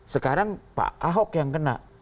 sekarang pak ahok yang kena